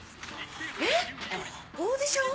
えっ！オーディション？